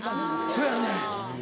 そやねん。